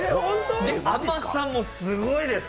で、甘さもすごいです。